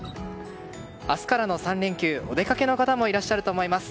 明日からの３連休お出かけの方もいらっしゃると思います。